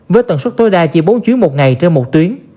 với tần suất tối đa chỉ bốn chuyến một ngày trên một tuyến